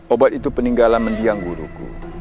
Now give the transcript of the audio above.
obat itu peninggalan mendiang guruku